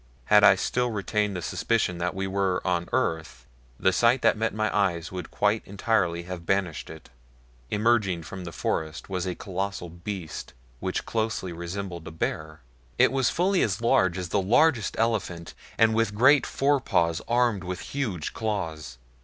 Had I still retained the suspicion that we were on earth the sight that met my eyes would quite entirely have banished it. Emerging from the forest was a colossal beast which closely resembled a bear. It was fully as large as the largest elephant and with great forepaws armed with huge claws.